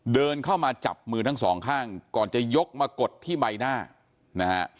เดินเข้ามาจับมือทั้งสองข้างก่อนจะยกมากดที่ใบหน้านะฮะ